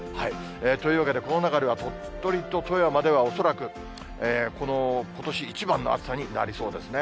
というわけで、この中では鳥取と富山では恐らくことし一番の暑さになりそうですね。